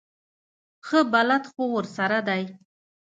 ښه بلد خو ورسره دی.